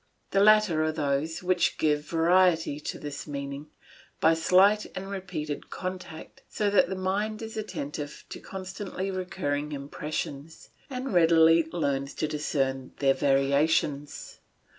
The latter are those which give variety to this feeling, by slight and repeated contact, so that the mind is attentive to constantly recurring impressions, and readily learns to discern their variations.